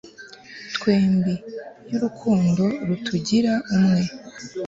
twembi, y'urukundo rutugira umwe